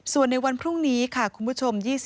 ส่วนในวันพรุ่งนี้ค่ะคุณผู้ชม